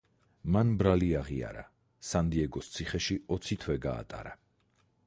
მან ბრალი აღიარა სან-დიეგოს ციხეში ოცი თვე გაატარა.